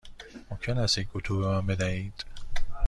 ممکن است یک اتو به من بدهید؟